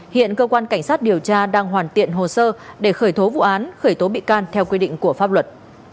hiện cơ quan cảnh sát điều tra đang hoàn thiện hồ sơ để khởi tố vụ án khởi tố bị can theo quy định của pháp luật